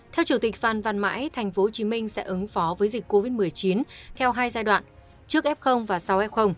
theo chủ tịch phan văn mãi tp hcm sẽ ứng phó với dịch covid một mươi chín theo hai giai đoạn trước f và sáu f